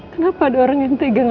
kenapa ada orang yang tegang